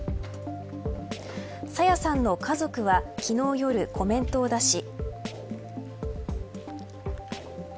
朝芽さんの家族は昨日夜コメントを出し。